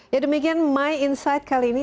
ya demikian my insight kali ini